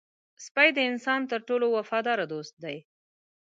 سپي د انسان تر ټولو وفادار دوست دی.